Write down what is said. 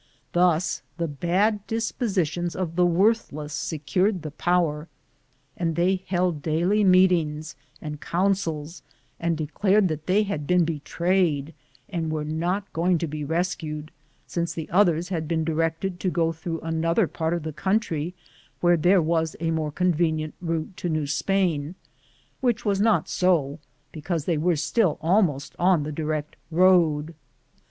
Thus the bad disposi tions of the worthless secured the power, and they held daily meetings and councils and declared that they had been betrayed and were not going to be rescued, since the others had been directed to go through another part of the country, where there was a more con venient route to New Spain, which was not bo because they were still almost on the direct road.